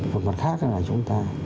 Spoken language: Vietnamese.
một mặt khác là chúng ta